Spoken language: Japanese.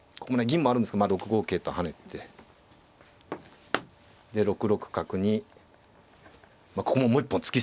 銀もあるんですけど６五桂と跳ねてで６六角にここももう一本突き捨ての歩。